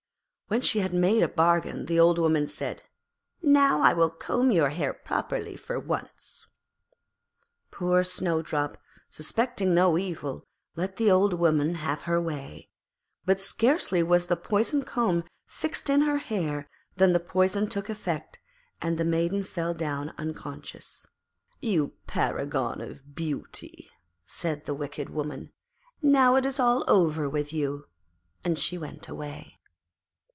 When she had made a bargain the Old Woman said, 'Now I will comb your hair properly for once.' Poor Snowdrop, suspecting no evil, let the Old Woman have her way, but scarcely was the poisoned comb fixed in her hair than the poison took effect, and the maiden fell down unconscious. 'You paragon of beauty,' said the wicked woman, 'now it is all over with you,' and she went away.